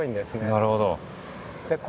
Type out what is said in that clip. なるほど。